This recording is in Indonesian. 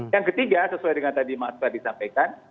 yang ketiga sesuai dengan tadi mas fahad disampaikan